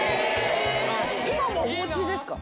今もお持ちですか？